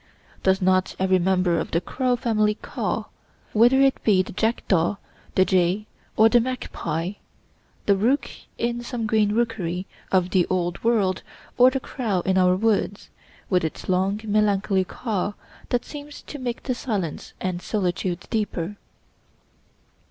Does not every member of the crow family caw, whether it be the jackdaw, the jay, or the magpie, the rook in some green rookery of the Old World, or the crow of our woods, with its long, melancholy caw that seems to make the silence and solitude deeper?